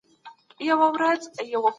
ټولنه به تل د خپل پرمختګ لپاره هڅې کوي.